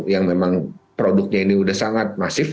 yang memang produknya ini sudah sangat masif